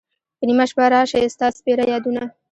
په نیمه شپه را شی ستا سپیره یادونه